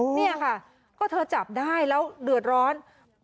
เนี่ยค่ะก็เธอจับได้แล้วเดือดร้อน